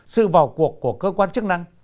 sự vào cuộc của cơ quan chức năng